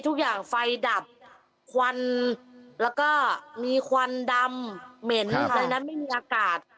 ทุกอย่างไฟดับควันแล้วก็มีควันดำเหม็นในนั้นไม่มีอากาศ